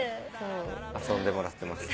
遊んでもらってます。